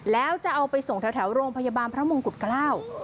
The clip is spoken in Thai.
แล้วจะเอาไปส่งแถวโรงพยาบาลพระมงกุฎเกล้า